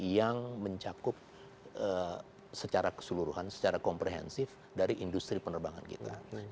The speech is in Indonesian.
yang mencakup secara keseluruhan secara komprehensif dari industri penerbangan kita